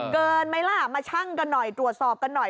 เกินไหมล่ะมาชั่งกันหน่อยตรวจสอบกันหน่อย